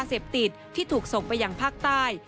เสพติดที่ถูกส่งไปยังภาคใต้